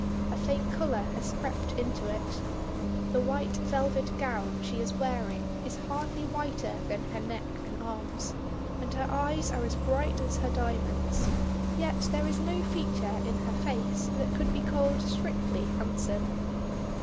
A faint color has crept into it. The white velvet gown she is wearing is hardly whiter than her neck and arms, and her eyes are as bright as her diamonds; yet there is no feature in her face that could be called strictly handsome.